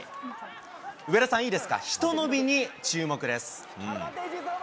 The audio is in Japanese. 上田さん、いいですか、ひと伸びに注目です。